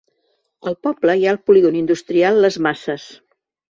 Al poble hi ha el polígon industrial les Masses.